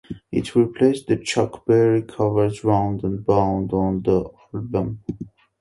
It replaced the Chuck Berry cover "Round and Round" on the album.